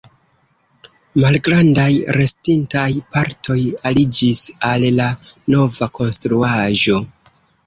Malgrandaj restintaj partoj aliĝis al la nova konstruaĵo.